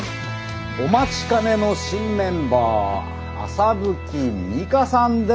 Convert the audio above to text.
お待ちかねの新メンバー麻吹美華さんです！